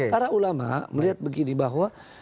para ulama melihat begini bahwa